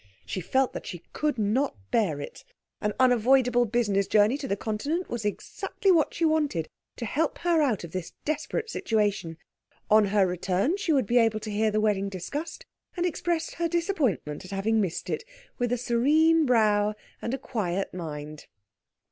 She felt that she could not bear it. An unavoidable business journey to the Continent was exactly what she wanted to help her out of this desperate situation. On her return she would be able to hear the wedding discussed and express her disappointment at having missed it with a serene brow and a quiet mind.